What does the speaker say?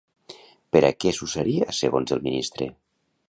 Per a què s'usaria, segons el ministre?